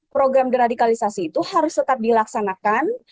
program deradikalisasi itu harus tetap dilaksanakan